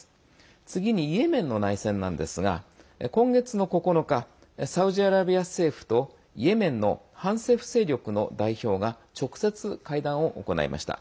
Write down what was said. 次にイエメンの内戦ですが今月の９日サウジアラビア政府とイエメンの反政府勢力の代表が直接会談を行いました。